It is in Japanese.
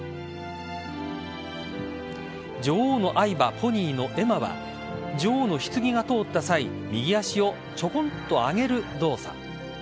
女王の愛馬、ポニーのエマは女王の棺が通った際右足をちょこんと上げる動作。